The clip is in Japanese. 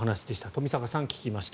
冨坂さんに聞きました。